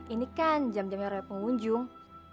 ini kan jam jam yang raya pengunjung